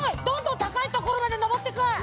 どんどんたかいところまでのぼってく！